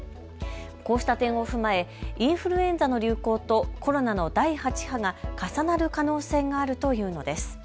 こうした点を踏まえインフルエンザの流行とコロナの第８波が重なる可能性があるというのです。